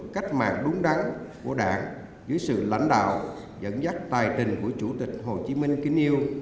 cách mạng đúng đắn của đảng dưới sự lãnh đạo dẫn dắt tài tình của chủ tịch hồ chí minh kính yêu